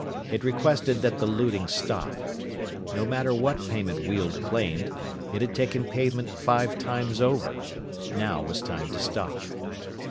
It requested that the looting stop. No matter what payment Weald claimed, it had taken payment five times over. Now was time to stop.